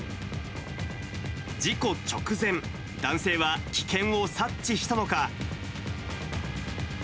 事故直前、男性は危険を察知したのか。